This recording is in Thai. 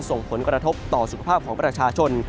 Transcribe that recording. ส่งผลกระทบต่อสุขภาพของประชาชน